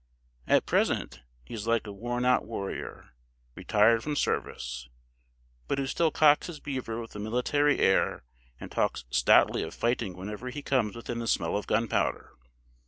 At present he is like a worn out warrior, retired from service; but who still cocks his beaver with a military air, and talks stoutly of fighting whenever he comes within the smell of gunpowder.